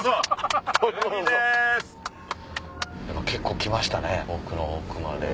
結構来ましたね